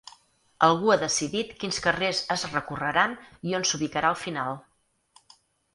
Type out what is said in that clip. Algú ha decidit quins carrers es recorreran i on s'ubicarà el final.